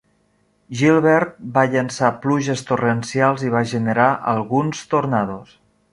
Gilbert va llençar pluges torrencials i va generar alguns tornados.